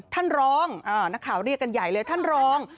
ท่านรองนักข่าวเรียกกันใหญ่เลยท่านรอง